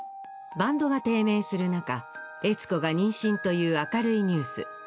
バンドが低迷する中という明るいニュース